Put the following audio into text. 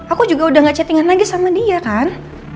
aku juga udah gak chattingan lagi sama dia kan